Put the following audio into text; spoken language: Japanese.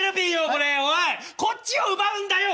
これおいこっちを奪うんだよ